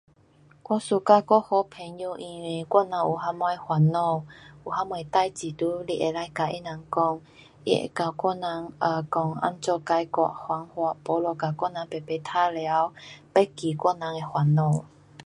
我 suka 我好朋友因为我若有什么烦恼，有什么事情就是可以跟他人讲，他会跟我人 um 讲怎样解决方法。不就跟我人排排玩耍，忘记我人的烦恼。